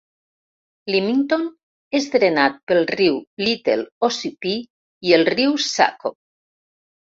Limington és drenat pel riu Little Ossipee i el riu Saco.